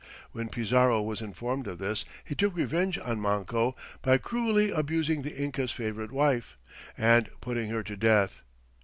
When Pizarro was informed of this, he took revenge on Manco by cruelly abusing the Inca's favorite wife, and putting her to death.